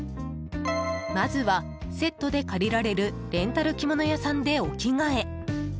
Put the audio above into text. まずはセットで借りられるレンタル着物屋さんでお着替え。